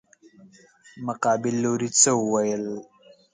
مقابل لوري څه وويل.